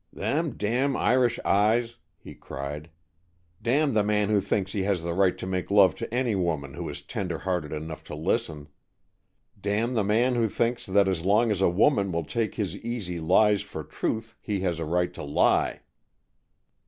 "Then damn Irish eyes," he cried. "Damn the man who thinks he has the right to make love to any woman who is tender hearted enough to listen. Damn the man who thinks that as long as a woman will take his easy lies for truth he has a right to lie."